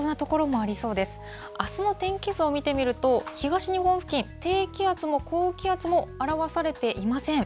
あすの天気図を見てみると、東日本付近、低気圧も高気圧も表されていません。